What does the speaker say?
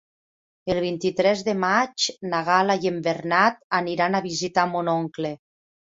El vint-i-tres de maig na Gal·la i en Bernat aniran a visitar mon oncle.